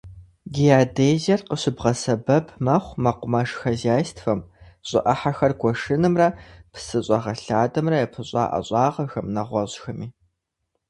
Геодезиер къыщыбгъэсэбэп мэхъу мэкъумэш хозяйствэм, щӀы Ӏыхьэхэр гуэшынымрэ псы щӀэгъэлъадэмрэ япыщӀа ӀэщӀагъэхэм, нэгъуэщӀхэми.